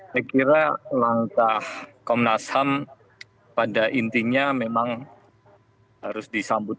saya kira langkah komnas ham pada intinya memang harus disambut